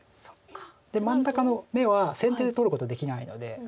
真ん中の眼は先手で取ることできないので。